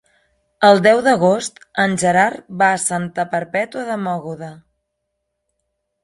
El deu d'agost en Gerard va a Santa Perpètua de Mogoda.